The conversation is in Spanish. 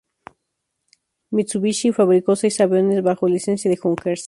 Mitsubishi fabricó seis aviones bajo licencia de Junkers.